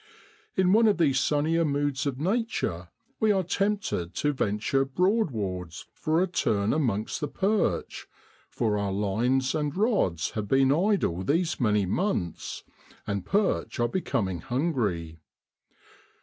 In one of these sunnier moods of Nature we are tempted to venture Broadwards for a turn amongst the perch, for our lines and rods have been idle these many months, and perch are becom ing hungry.